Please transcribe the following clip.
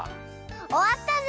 おわったぜ！